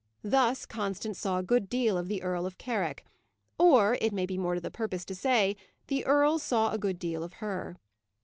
Thus Constance saw a good deal of the Earl of Carrick; or, it may be more to the purpose to say, the earl saw a good deal of her.